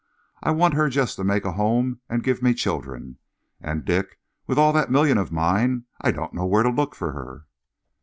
I want her just to make a home and give me children. And, Dick, with all that million of mine I don't know where to look for her."